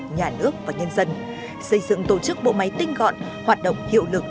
nhà nước và nhân dân xây dựng tổ chức bộ máy tinh gọn hoạt động hiệu lực